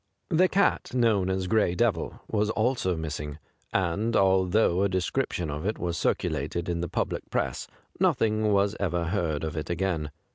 The cat known as ' Gray Devil ' was also missing, and, although a description of it was circulated in the public press, nothing was ever heard of it again.